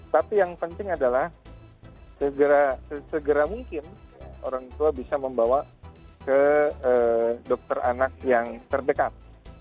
tapi yang penting adalah segera mungkin orang tua bisa membawa ke dokter anak yang terdekat